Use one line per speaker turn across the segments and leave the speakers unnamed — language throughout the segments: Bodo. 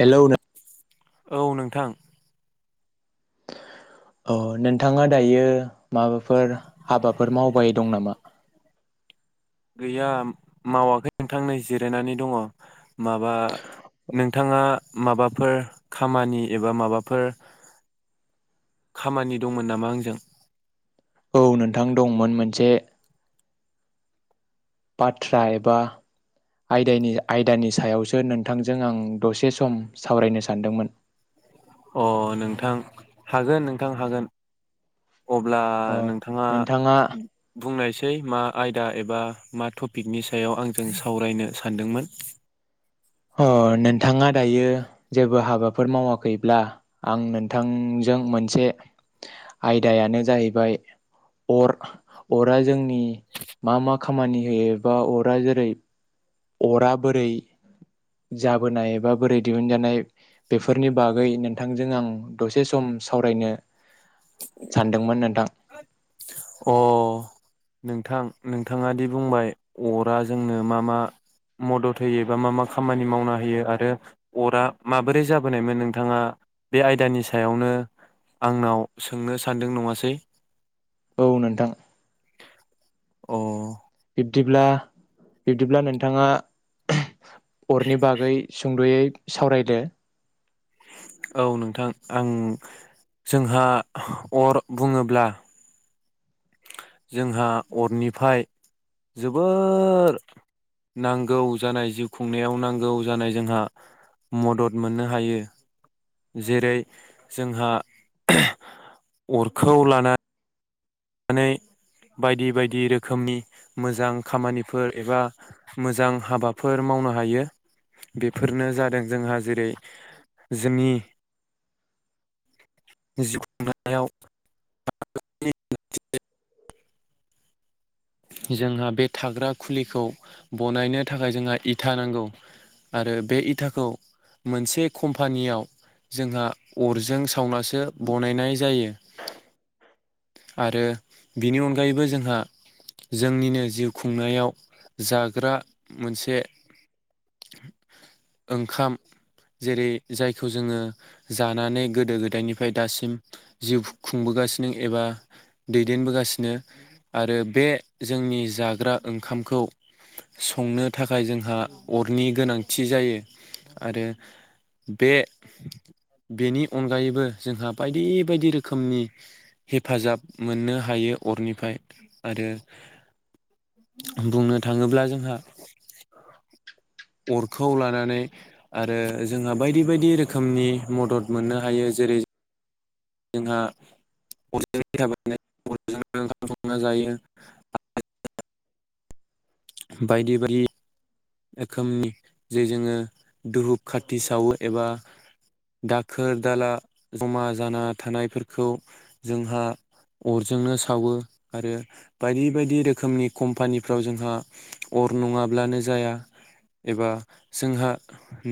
हेलौ नो
औ नोंथां।
अ नोंथाङा दायो माबाफोर हाबाफोर मावबाय दं नामा?
गैया म मावाखै नोंथां नै जिरायनानै दङ माबा नोंथाङा माबाफोर खामानि एबा माबाफोर खामानि दंमोन नामा आंजों?
औ नोंथां दंमोन मोनसे बाथ्रा एबा आयदायनि आयदानि सायावसो नोंथांजों आं दसे सम सावरायनो सानदोंमोन।
अ नोंथां हागोन नोंथां हागोन। अब्ला
अ
नोंथाङा बुंनायस ऐ मा आयदा एबा मा टपिकनि सायाव आंजों सावरायनो सानदोंमोन?
अ नोंथाङा दायो जेबो हाबाफोर मावाखैब्ला आं नोंथांजों मोनसे आयदायानो जाहैबाय अर अरा जोंनि मा मा खामानि होयो बा अरा जेरै अरा बोरै जाबोनाय एबा बोरै दिहुनजानाय बेफोरनि बागै नोंथांजों आं दसे सम सावरायनो सानदोंमोन नोंथां
अ नोंथां नोंथाङा दि बुंबाय अरा जोंनो मा मा मदद होयो बा मा मा खामानि मावना होयो आरो अरा माबोरै जाबोनायमोन नोंथाङा बे आयदानि सायावनो आंनाव सोंनो सानदों नङासै
औ नोंथां
अ
बिदिब्ला बिब्दिब्ला नोंथाङा अरनि बागै सुंदयै सावरायदो
औ नोंथां आं जोंहा अर बुंङोब्ला जोंहा अरनिफ्राय जोबोद नांगौ जानाय जिउ खुंनायाव नांगौ जानाय जोंहा मदद मोननो हायो जेरै जोंहा अरखौ लानानै बायदि बायदि रोखोमनि मोजां खामानिफोर एबा मोजां हाबाफोर मावनो हायो बेफोरनो जादों जोंहा जेरै जोंनि जिउ खुंनायाव [unintelligible] [unintelligible] जोंहा बे थाग्रा खुलिखौ बनायनो थाखाय जोंहा इथा नांगौ आरो बे इथाखौ मोनसे कम्पानियाव जोंहा अरजों सावनासो बनायनाय जायो आरो बिनि अनगायैबो जोंहा जोंनिनो जिउ खुंनायाव जाग्रा मोनसे ओंखाम जेरै जायखौ जोङो जानानै गोदो गोदायनिफ्राय दासिम जिउ खुंबोगासिनो एबा दैदेनबोगासिनो आरो बे जोंनि जाग्रा ओंखामखौ संनो थाखाय जोंहा अरनि गोनांथि जायो आरो बे बेनि अनगायैबो जोंहा बायदि बायदि रोखोमनि हेफाजाब मोननो हायो अरनिफ्राय आरो बुंनो थाङोब्ला जोंहा अरखौ लानानै आरो जोंहा बायदि बायदि रोखोमनि मदद मोननो हायो जेरै जोंहा [unintelligible] जायो बायदि बायदि रोखोमनि जे जोङो दुहुप खाथि सावो एबा दाखोर दाला जमा जाना थानायफोरखौ जोंहा अरजोंनो सावो आरो बायदि बायदि रोखोमनि कम्पानिफ्राव जोंहा अर नंङाब्लानो जाया एबा जोंहा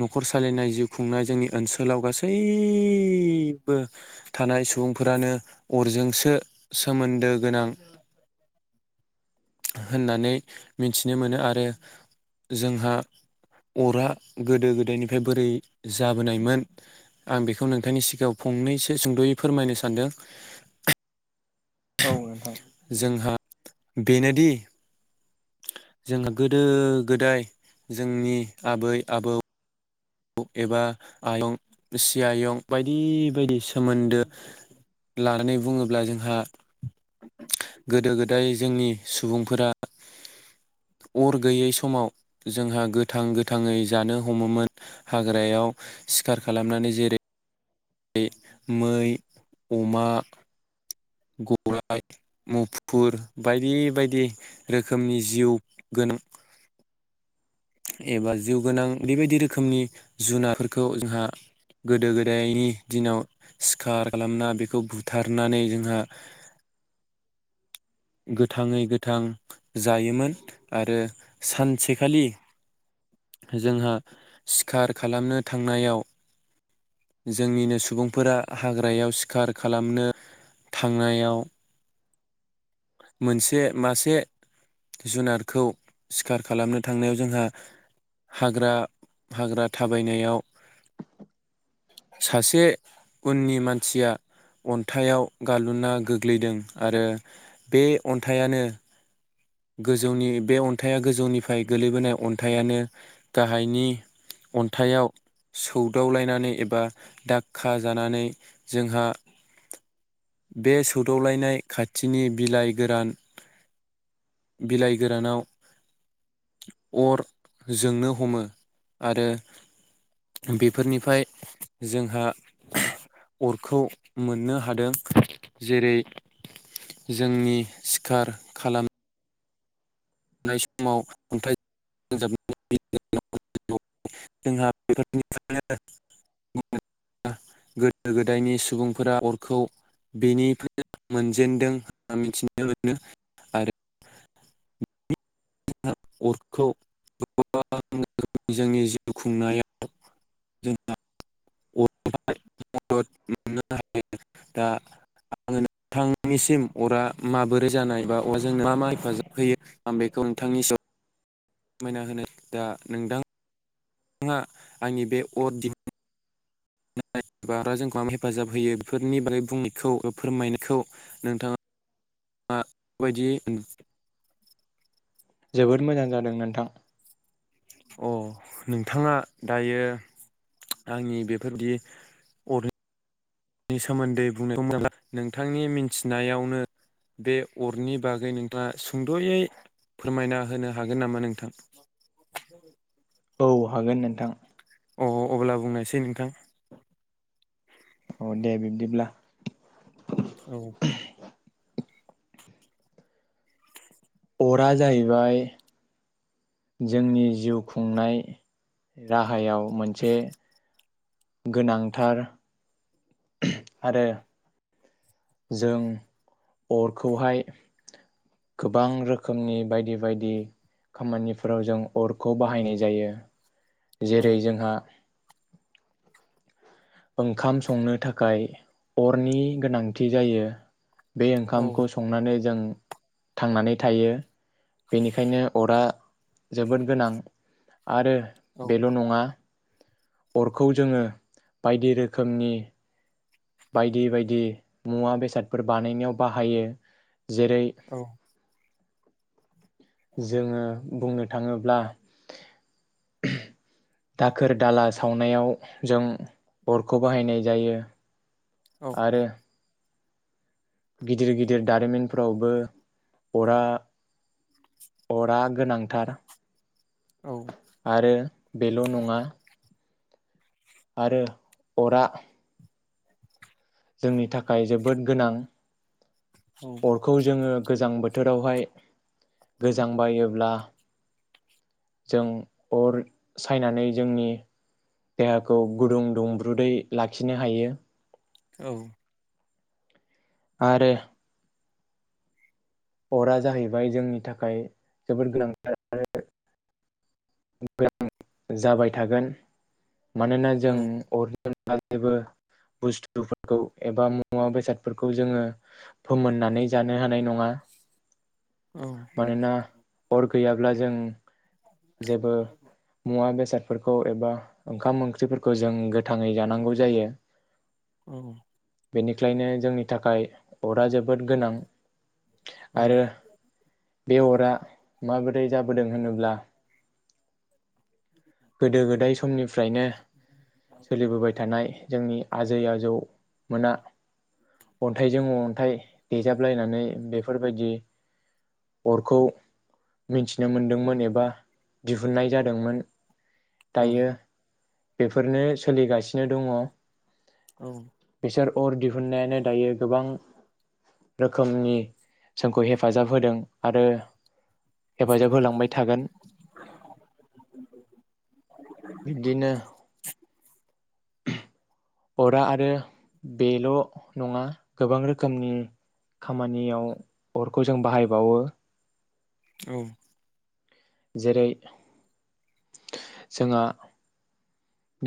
नखर सालिनाय जिउ खुंनाय जोंनि ओनसोलाव गासैबो थानाय सुबुंफोरानो अरजोंसो सोमोन्दो गोनां होननानै मिथिनो मोनो आरो जोंहा अरा गोदो गोदायनिफ्राय बोरै जाबोनायमोन आं बेखौ नोंथांनि सिगाङाव फंनैसो सुंदयै फोरमायनो सानदों
औ नोंथां
जोंहा बेनोदि जोंहा गोदो गोदाय जोंनि आबै आबौ एबा आयं सि आयं बायदि बायदि सोमोन्दो लानानै बुङोब्ला जोंहा गोदो गोदाय जोंनि सुबुंफोरा अर गैयै समाव जोंहा गोथां गोथाङै जानो हमोमोन हाग्रायाव सिखार खालामनानै जेरै मै अमा गराइ मुफुर बायदि बायदि रोखोमनि जिउ गोनां एबा जिउ गोनां बेबायदि रोखोमनि जुनारफोरखौ जोंहा गोदो गोदायनि दिनाव सिखार खालामना बेखौ बुथारनानै जोंहा गोथाङै गोथां जायोमोन आरो सानसेखालि जोंहा सिखार खालामनो थांनायाव जोंनिनो सुबुंफोरा हाग्रायाव सिखार खालामनो थांनायाव मोनसे मासे जुनारखौ सिखार खालामनो थांनायाव जोंहा हाग्रा हाग्रा थाबायनायाव सासे उननि मानसिया अन्थाइाव गाल्लुना गोग्लैदों आरो बे अन्थाइयानो गोजौनि बे अन्थाइया गोजौनिफ्राय गोलैबोनाय अन्थाइयानो गाहायनि अन्थाइयाव सौदावलायनानै एबा दाक्का जानानै जोंहा बे सौदावलायनाय खाथिनि बिलाइ गोरान बिलाइ गोरानाव अर जोंनो हमो आरो बेफोरनिफ्राय जोंहा अरखौ मोननो हादों जेरै जोंनि सिखार खालाम -नाय समाव खन्थाइ [unintelligible] गोदो गोदायनि सुबुंफोरा अरखौ बेनिफ्रायनो मोनजेनदों मिथिनो मोनो आरो [unintelligible] अरखौ गोबां रोखोमनि जोंनि जिउ खुंनायाव जोंहा मदद मोननो हायो दा आङो नोंथांनिसिम अरा माबोरै जानाय बा अरा जोंनो मा मा हेफाजाब होयो आं बेखौ नोंथांनि [unintelligible] मायना होनो दा नोंथां हा आंनि बे अर दिहुन जोंखौ आं हेफाजाब होयो बेफोरनि बागै बुंनायखौ फोरमायनायखौ नोंथाङा आ बदियै
जोबोद मोजां जादों नोंथां
अ नोंथाङा दायो आंनि बेफोरबायदि अर नि सोमोन्दै [unintelligible] नोंथांनि मिथिनायावनो बे अरनि बागै नोंथाङा सुंदयै फोरमायना होनो हागोन नामा नोंथां
औ हागोन नोंथां
अ अब्ला बुंनोसै नोंथां
अ दे बिब्दिब्ला
औ
अरा जाहैबाय जोंनि जिउ खुंनाय राहायाव मोनसे गोनांथार आरो जों अरखौहाय गोबां रोखोमनि बायदि बायदि खामानिफोराव जों अरखौ बाहायनाय जायो
औ
जेरै जोंहा ओंखाम संनो थाखाय अरनि गोनांथि जायो बे
औ
ओंखामखौ संनानै जों थांनानै थायो बेनिखायनो अरा जोबोद गोनां आरो
औ
बेल' नङा अरखौ जोङो बायदि रोखोमनि बायदि बायदि मुवा बेसादफोर बानायनायाव बाहायो जेरै
औ
जोङो बुंनो थाङोब्ला दाखोर दाला सावनायाव जों अरखौ बाहायनाय जायो
औ
आरो गिदिर गिदिर दारिमिनफोरावबो अरा अरा गोनांथार
औ
आरो बेल' नङा आरो अरा जोंनि थाखाय जोबोद गोनां अरखौ जोङो गोजां बोथोर थोरावहाय गोजां बायोब्ला जों अर सायनानै जोंनि देहाखौ गुदुं दुंब्रुदै लाखिनो हायो
औ
आरो अरा जाहैबाय जोंनि थाखाय जोबोद गोनांथार आरो गोनां जाबाय थागोन मानोना जों अर जेबो बुस्थुफोरखौ एबा मुवा बेसादफोरखौ जोङो फोमोननानै जानो हानाय नङा मानोना अर गैया अब्ला जों जेबो मुवा बेसाद फोरखौ एबा ओंखाम ओंख्रिफोरखौ जों गोथाङै जानांगौ जायो
औ
बेनिखायनो जोंनि थाखाय अरा जो बोद गोनां आरो बे अरा माबोरै जा होदों होनोब्ला गोदो गोदाय समनिफ्रायनो सोलिबोबाय थानाय जोंनि आजै आजौ मोना अन्थाइजों अन्थाइ देजाबलायनानै बेफोरबायदि अरखौ मिन्थिनो मोनदोंमोन एबा दिहुननाय जादोंमोन। दायो बेफोरनो सोलिगासिनो दङ
औ
बिसोर अर दिहुन्नायानो दायो गोबां रोखोमनि जोंखौ हेफाजाब होदों आरो हेफाजाब होलांबाय थागोन बिदिनो अरा आरो बेल' नङा गोबां रोखोमनि खामानियाव अरखौ जों बाहायबावो
औ
जेरै जोंहा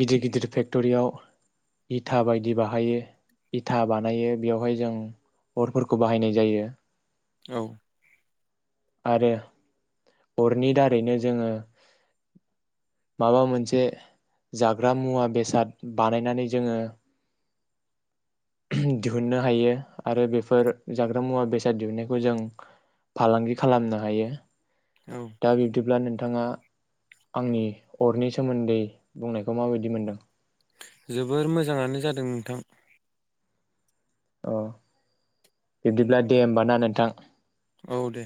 गिदिर गिदिर फेक्टरियाव इथा बायदि बाहायो इथा बानायो बेयावहाय जों अरफोरखौ बाहायनाय जायो।
औ
आरो अरनि दारैनो जोङो माबा मोनसे जाग्रा मुवा बेसाद बानायनानै जोङो ओह दिहुननो हायो आरो बेफोर जाग्रा मुवा बेसाद दिहुनन्नायखौ जों फालांगि खालामनो हायो
औ
दा बिब्दिब्ला नों नोंथाङा आंनि अरनि सोमोन्दै बुंनायखौ माबायदि मोनदों?
जोबोर मोजाङानो जादों नोंथां।
अ बिब्दिब्ला दे होमब ना नोंथां
औ दे